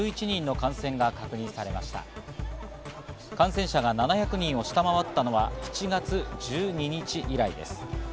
感染者が７００人を下回ったのは７月１２日以来です。